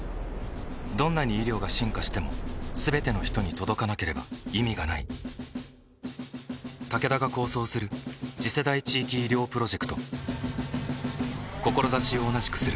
どんなに医療が進化しても全ての人に届かなければ意味がないタケダが構想する次世代地域医療プロジェクト志を同じくするあらゆるパートナーと手を組んで実用化に挑む